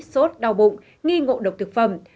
rốt đau bụng nghi ngộ độc thực phẩm